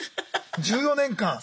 １４年間。